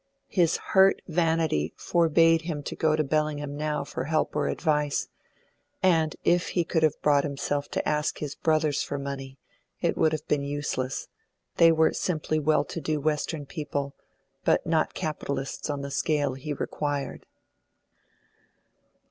His hurt vanity forbade him to go to Bellingham now for help or advice; and if he could have brought himself to ask his brothers for money, it would have been useless; they were simply well to do Western people, but not capitalists on the scale he required.